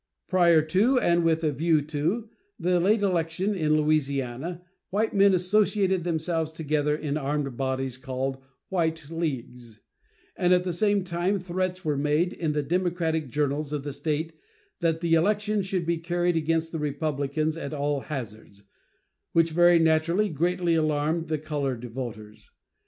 Prior to, and with a view to, the late election in Louisiana white men associated themselves together in armed bodies called "White Leagues," and at the same time threats were made in the Democratic journals of the State that the election should be carried against the Republicans at all hazards, which very naturally greatly alarmed the colored voters.